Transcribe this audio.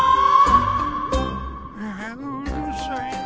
ああうるさいな。